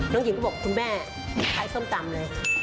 หญิงก็บอกคุณแม่ขายส้มตำเลย